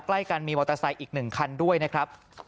ใกล้กันมีมอเตอร์ไซค์อีก๑คันด้วยนะครับ